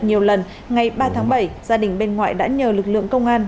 nhiều lần ngày ba tháng bảy gia đình bên ngoại đã nhờ lực lượng công an